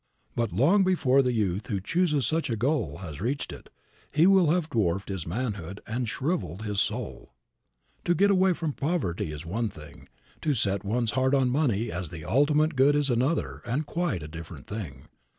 But long before the youth who chooses such a goal has reached it, he will have dwarfed his manhood, and shriveled his soul. To get away from poverty is one thing; to set one's heart on money as the ultimate good is another, and quite a different, thing.